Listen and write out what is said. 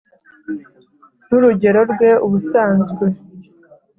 n'urugero rwe ubusanzwe,